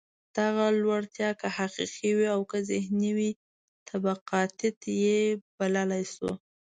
دغه لوړتیا که حقیقي وي او که ذهني وي، طبقاتيت یې بللای شو.